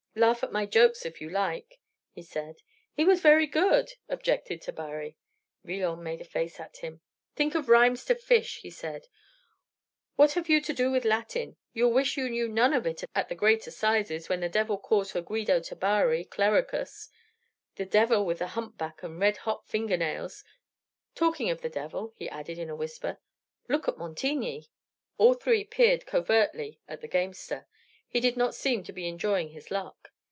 "Laugh at my jokes, if you like," he said. "It was very good," objected Tabary. Villon made a face at him. "Think of rhymes to 'fish,'" he said. "What have you to do with Latin? You'll wish you knew none of it at the great assizes, when the devil calls for Guido Tabary, clericus the devil with the humpback and red hot finger nails. Talking of the devil," he added, in a whisper, "look at Montigny!" All three peered covertly at the gamester. He did not seem to be enjoying his luck.